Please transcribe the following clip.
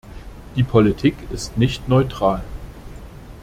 Die Politik ist nicht neutral.